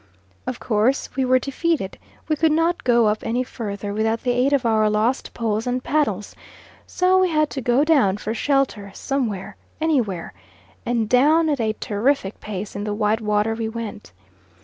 Of course we were defeated, we could not go up any further without the aid of our lost poles and paddles, so we had to go down for shelter somewhere, anywhere, and down at a terrific pace in the white water we went.